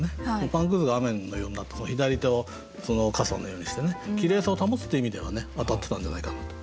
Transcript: パンくずが雨のようになって左手を傘のようにしてねきれいさを保つっていう意味では当たってたんじゃないかなと。